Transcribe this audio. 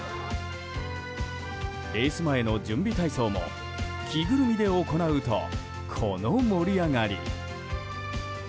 レース前の準備体操も着ぐるみで行うとこの盛り上がり。